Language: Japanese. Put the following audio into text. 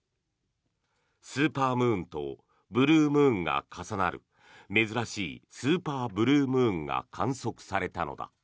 スーパームーンとブルームーンが重なる珍しいスーパーブルームーンが観測されたのだ。